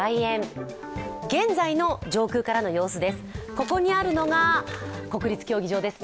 右上にあるのが国立競技場です。